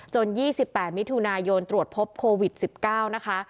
๒๘มิถุนายนตรวจพบโควิด๑๙นะคะ